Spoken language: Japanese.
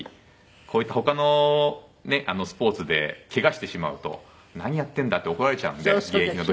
こういった他のスポーツでけがしてしまうと何やってんだって怒られちゃうんで現役の時は。